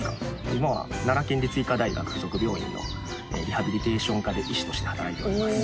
今は奈良県立医科大学附属病院のリハビリテーション科で医師として働いております。